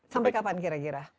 sampai kapan kira kira